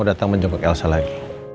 datang menjumpai elsa lagi